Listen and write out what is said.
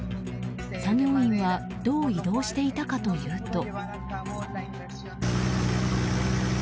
作業員はどう移動していたかというと。